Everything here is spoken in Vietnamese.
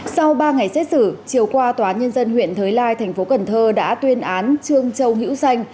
sau ba ngày xét xử chiều qua tòa nhân dân huyện thới lai tp cn đã tuyên án trương châu hữu danh